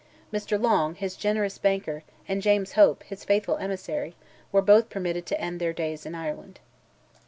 Mr. Long, his generous banker, and James Hope, his faithful emissary, were both permitted to end their days in Ireland.